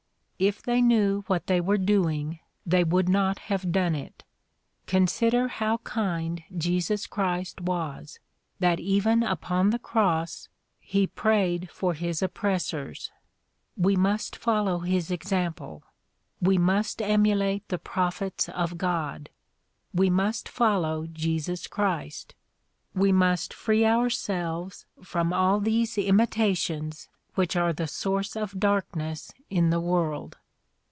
If they knew what they were doing they would not have done it. Consider how kind Jesus Christ was, that even upon the cross he prayed for his op pressors. We must follow his example. We must emulate the prophets of God. We must follow Jesus Christ. We must free ourselves from all these imitations which are the source of darkness in the world.